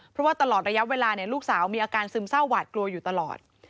เพราะว่าตลอดระยะเวลาลูกสาวมีอาการซึมเศร้าหวาดกลัวอยู่ตลอด